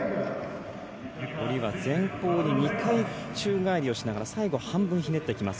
下りは前方に２回宙返りをしながら最後半分ひねってきます。